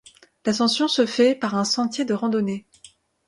L'ascension se fait par un sentier de randonnée.